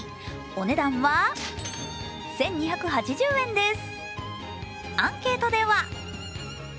お値段は１２８０円です。